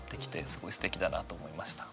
すごいすてきだなと思いました。